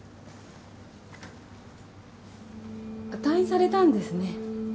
退院されたんですね。